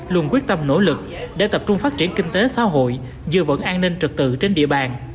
luôn quyết tâm nỗ lực để tập trung phát triển kinh tế xã hội dựa vận an ninh trực tự trên địa bàn